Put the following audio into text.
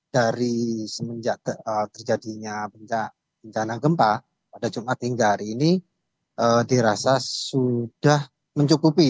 dari semenjak terjadinya bencana gempa pada jumat hingga hari ini dirasa sudah mencukupi